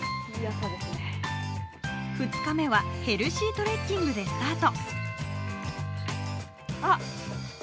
２日目はヘルシートレッキングでスタート。